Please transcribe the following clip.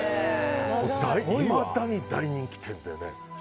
いまだに大人気店でね。